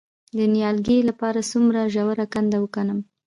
د نیالګي لپاره څومره ژوره کنده وکینم؟